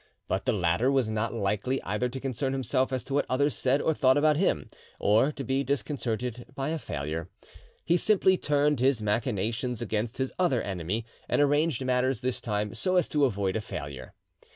But the latter was not likely either to concern himself as to what others said or thought about him or to be disconcerted by a failure. He simply turned his machinations against his other enemy, and arranged matters this time so as to avoid a failure.